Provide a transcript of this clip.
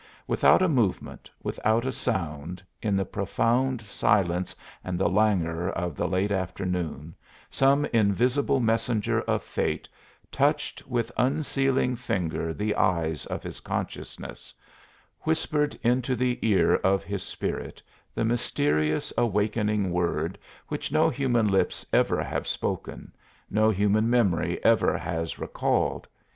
Without a movement, without a sound, in the profound silence and the languor of the late afternoon, some invisible messenger of fate touched with unsealing finger the eyes of his consciousness whispered into the ear of his spirit the mysterious awakening word which no human lips ever have spoken, no human memory ever has recalled.